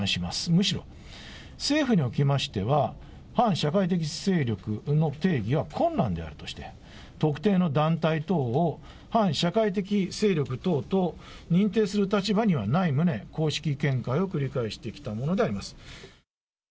むしろ、政府におきましては、反社会的勢力の定義は困難であるとして、特定の団体等を反社会的勢力等と認定する立場にはない旨、公式見解を繰り返してきたものであります。